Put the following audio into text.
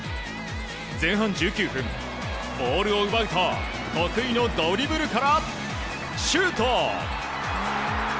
前半１９分ボールを奪うと得意のドリブルからシュート！